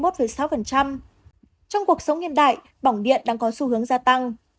trong cuộc sống hiện đại bỏng điện đang có xu hướng gia tăng